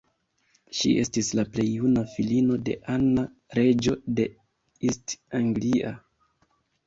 Ŝi estis la plej juna filino de Anna, reĝo de East Anglia.